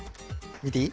見ていい？